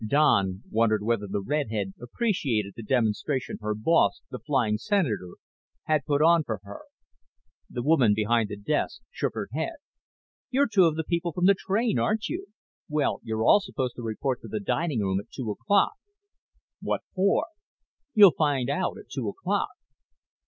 Don wondered whether the redhead appreciated the demonstration her boss, the flying Senator, had put on for her. The woman behind the desk shook her head. "You're two of the people from the train, aren't you? Well, you're all supposed to report to the dining room at two o'clock." "What for?" "You'll find out at two o'clock."